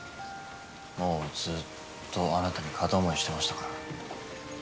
もうずっとあなたに片思いしてましたから。